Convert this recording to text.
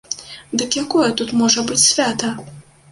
Дык якое тут можа быць свята?